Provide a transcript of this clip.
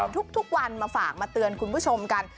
ทุกวันมาฝากมาเตือนคุณผู้ชมกัน